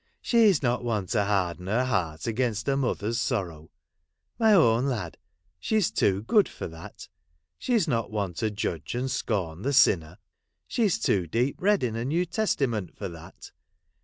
' She 's not one to harden her heart against a mother's sorrow. My own lad, she 's too good for that. She 's not one to judge and scorn the sinner. She 's too deep read in her New Testament for that.